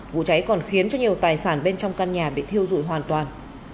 vụ cháy còn khiến cho nhiều tài sản bên trong căn nhà bị thiêu dụi hoàn toàn